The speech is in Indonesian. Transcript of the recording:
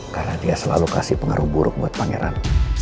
karena dia selalu kasih pengaruh buruk buat pangeran